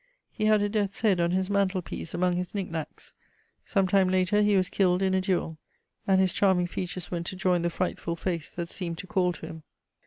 He had a death's head on his mantel piece among his knick knacks; some time later he was killed in a duel, and his charming features went to join the frightful face that seemed to call to him.